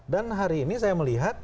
dan hari ini saya melihat